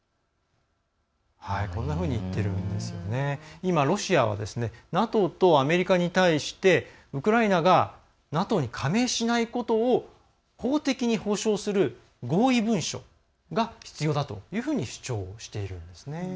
今、ロシアはＮＡＴＯとアメリカに対してウクライナがＮＡＴＯに加盟しないことを法的に保証する合意文書が必要だというふうに主張しているんですね。